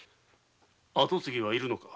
跡継ぎはいるのか？